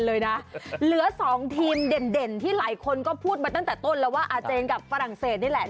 เหลือ๒ทีมเด่นที่หลายคนก็พูดมาตั้งแต่ต้นแล้วว่าอาเจนกับฝรั่งเศสนี่แหละ